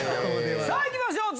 さあいきましょう。